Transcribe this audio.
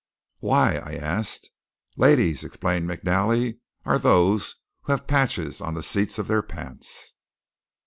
'" "Why?" I asked. "Ladies," explained McNally, "are those who have patches on the seats of their pants."